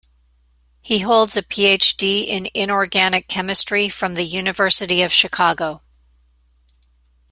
He holds a PhD in Inorganic chemistry from the University of Chicago.